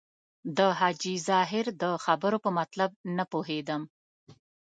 د حاجي ظاهر د خبرو په مطلب نه پوهېدم.